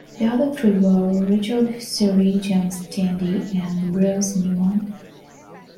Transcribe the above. The other three were: Richard Serra, James Tenney and Bruce Nauman.